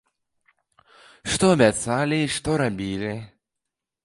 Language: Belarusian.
Што абяцалі і што рабілі?